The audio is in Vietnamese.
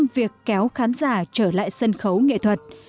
việc kéo khán giả trở lại sân khấu nghệ thuật